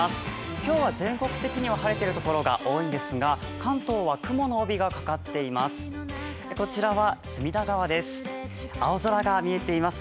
今日は全国的には晴れているところが多いんですが、関東は雲の帯がかかっています。